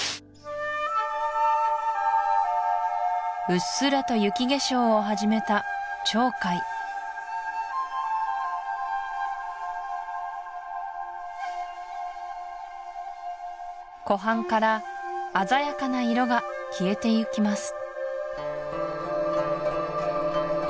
うっすらと雪化粧を始めた長海湖畔から鮮やかな色が消えてゆきます